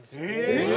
えっ！